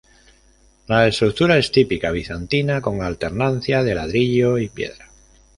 La estructura es típica bizantina con alternancia de ladrillo y piedra.